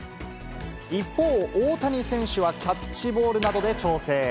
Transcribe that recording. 一方、大谷選手はキャッチボールなどで調整。